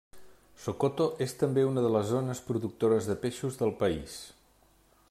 Sokoto és també una de les zones productores de peixos del país.